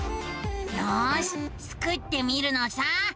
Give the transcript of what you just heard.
よしスクってみるのさ。